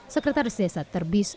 sekretaris desa terbis